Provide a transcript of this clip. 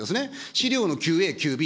資料の９Ａ、９Ｂ。